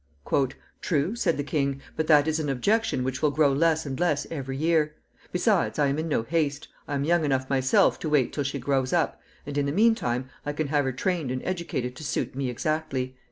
"True," said the king; "but that is an objection which will grow less and less every year. Besides, I am in no haste. I am young enough myself to wait till she grows up, and, in the mean time, I can have her trained and educated to suit me exactly."